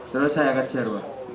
terus saya kejar